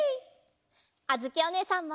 あづきおねえさんも！